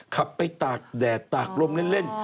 ขับไปตากแดดตากลมเล่น